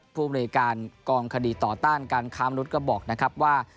ภูมิในการกองคดีต่อต้านการค้ามนุษย์ก็บอกนะครับว่า